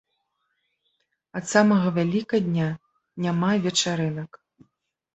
Ад самага вялікадня няма вечарынак.